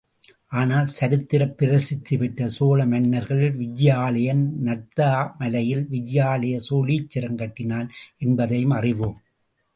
ஆனால், சரித்திரப் பிரசித்தி பெற்ற சோழ மன்னர்களில் விஜயாலயன், நார்த்தாமலையில் விஜயாலய சோழீச்சரம் கட்டினான் என்பதையும் அறிவோம்.